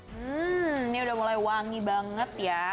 hmm ini udah mulai wangi banget ya